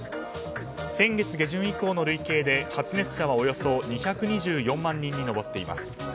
先月下旬以降の累計で発熱者はおよそ２２４万人に上っています。